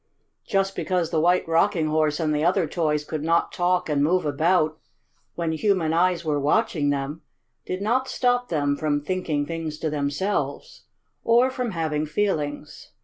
Just because the White Rocking Horse and the other toys could not talk and move about when human eyes were watching them, did not stop them from thinking things to themselves, or from having feelings.